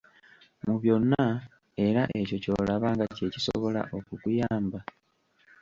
Mu byonna era ekyo kyolaba nga kye kisobola okukuyamba!